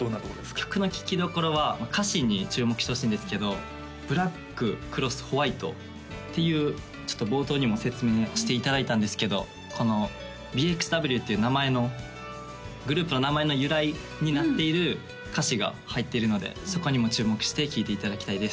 曲の聴きどころは歌詞に注目してほしいんですけど「ＢＬＡＣＫ×ＷＨＩＴＥ」っていうちょっと冒頭にも説明していただいたんですけどこの「ＢＸＷ」っていう名前のグループの名前の由来になっている歌詞が入っているのでそこにも注目して聴いていただきたいです